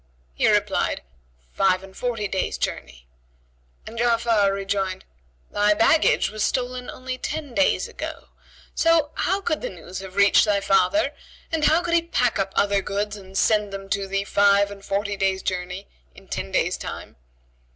He replied, "Five and forty days' journey;" and Ja'afar rejoined, "Thy baggage was stolen only ten days ago; so how could the news have reached thy father, and how could he pack thee up other goods and send them to thee five and forty days' journey in ten days' time?"